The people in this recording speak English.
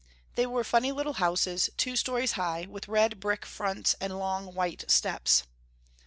They were funny little houses, two stories high, with red brick fronts and long white steps.